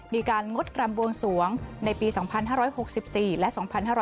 มีการงดกรรมบวงสวงในปี๒๕๖๔และ๒๕๖๕